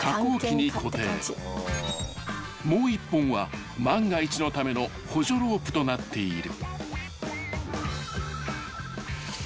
［もう１本は万が一のための補助ロープとなっている］